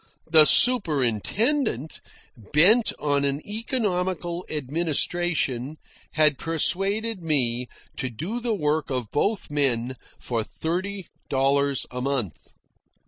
The superintendent, bent on an economical administration, had persuaded me to do the work of both men for thirty dollars a month.